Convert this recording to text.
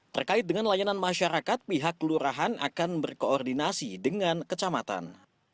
terkait dengan layanan masyarakat pihak kelurahan akan berkoordinasi dengan kecamatan